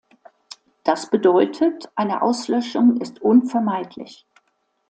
Das bedeutet, eine Auslöschung ist unvermeidlich.